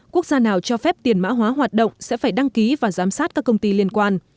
quốc gia nào cho phép tiền mã hóa hoạt động sẽ phải đăng ký và giám sát các công ty liên quan